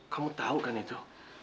kamu tau kan itu